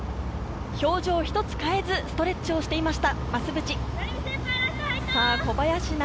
表情一つ変えず、ストレッチをしていました。